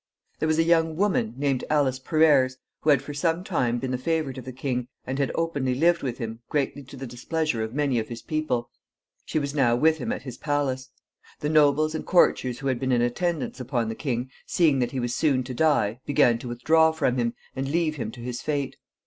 There was a young woman, named Alice Perrers, who had for some time been the favorite of the king, and had openly lived with him, greatly to the displeasure of many of his people. She was now with him at his palace. The nobles and courtiers who had been in attendance upon the king, seeing that he was soon to die, began to withdraw from him, and leave him to his fate.